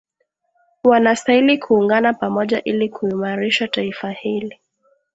wanastahili kuungana pamoja ili kuimarisha taifa hili